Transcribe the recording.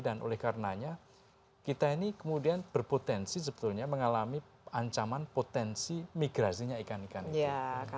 dan oleh karenanya kita ini kemudian berpotensi sebetulnya mengalami ancaman potensi migrasinya ikan ikan itu